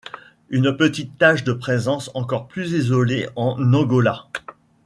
Une petite tache de présence encore plus isolée en Angola.